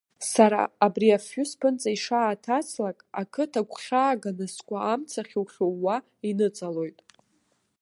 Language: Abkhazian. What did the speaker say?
Сара, абри афҩы сԥынҵа ишааҭаслак, ақыҭа гәхьааганы сгәы амца хьухьууа иныҵалоит.